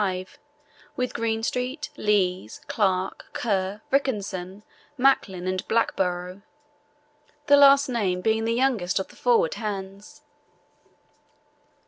5, with Greenstreet, Lees, Clark, Kerr, Rickenson, Macklin, and Blackborrow, the last named being the youngest of the forward hands.